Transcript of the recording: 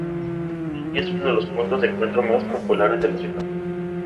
Hoy día es uno de los puntos de encuentro más populares de la ciudad.